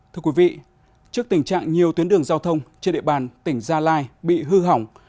thưa quý vị trước tình trạng nhiều tuyến đường giao thông trên địa bàn tỉnh gia lai bị hư hỏng